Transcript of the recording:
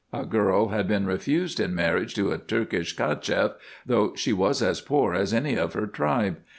A girl had been refused in marriage to a Turkish CachefF, though she was as poor as any of her tribe.